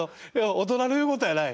大人の言うことやない。